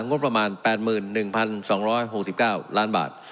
งบประมาณ๘๑๒๖๙ล้านบาท